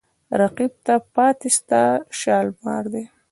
رقیب ته پاته ستا شالمار دی